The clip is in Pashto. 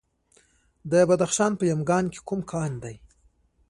د بدخشان په یمګان کې کوم کان دی؟